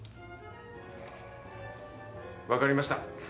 分かりました。